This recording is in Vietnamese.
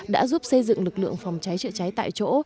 đã giúp xây dựng lực lượng phòng cháy chữa cháy tại chỗ